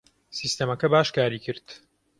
سیستەمەکە باش کاری کرد.